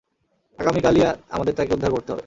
আগামীকালই আমাদের তাকে উদ্ধার করতে হবে।